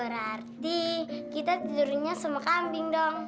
berarti kita tidurnya sama kambing dong